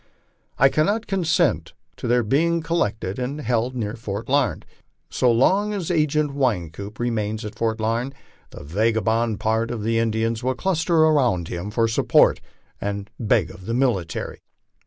I cannot consent to their being collected aud held near Fort Lamed. So long as Agent Wynkoop remains at Fort Larned the vagabond part of the Indians will cluster about him for support, and to beg of the military.